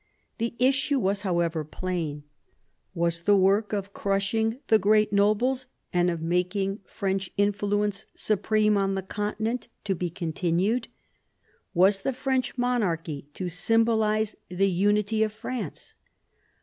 The issue was, however, plain. Was the work of crushing, the great nobles, and of making French in fluence supreme on the Continent, to be continued? Was the French monarchy to symbolise the unity of France?